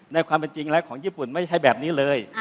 ในความเป็นจริงแล้วของญี่ปุ่นไม่ใช่แบบนี้เลย